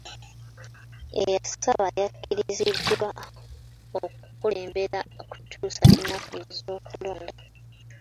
Eyasaba yakkiriziddwa okukulembera okutuusa ennaku z'okulonda.